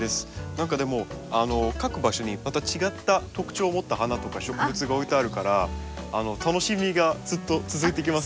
何かでも各場所にまた違った特徴を持った花とか植物が置いてあるから楽しみがずっと続いていきますね。